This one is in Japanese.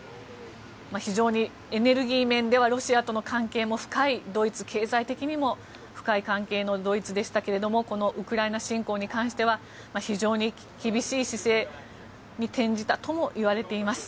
非常にエネルギー面ではロシアとの関係も深いドイツ、経済的にも深い関係のドイツでしたがこのウクライナ侵攻に関しては非常に厳しい姿勢に転じたともいわれています。